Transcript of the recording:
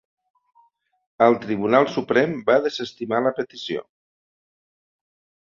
El Tribunal Suprem va desestimar la petició.